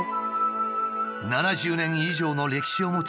７０年以上の歴史を持つ